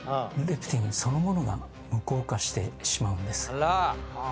あら！